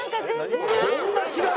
こんな違う？